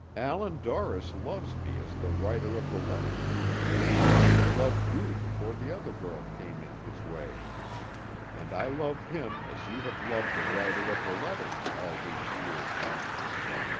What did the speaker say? "Allan Dorris loves me as the writer of the letters you have shown me loved you before the other girl came in his way; and I love him as you have loved the writer of the letters all these years.